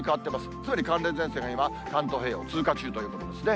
つまり、寒冷前線が今、関東平野を通過中ということですね。